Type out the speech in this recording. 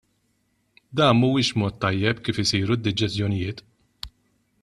Dak mhuwiex mod tajjeb kif isiru d-deċiżjonijiet.